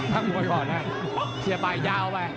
พักมวยก่อนนะเสียปลายาวไป